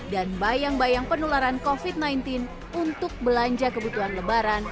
dan bayang bayang penularan covid sembilan belas untuk belanja kebutuhan lebaran